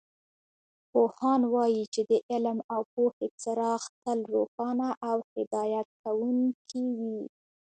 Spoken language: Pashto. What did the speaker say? پوهان وایي چې د علم او پوهې څراغ تل روښانه او هدایت کوونکې وي